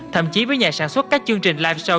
thậm chí với nhà sản xuất các chương trình live show